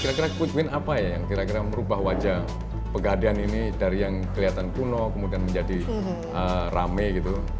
kira kira quick win apa ya yang kira kira merubah wajah pegadean ini dari yang kelihatan kuno kemudian menjadi rame gitu